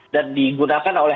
dan digunakan oleh